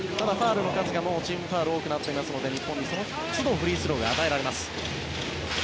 ただ、チームファウルの数が多くなっていますので日本にその都度フリースローが与えられます。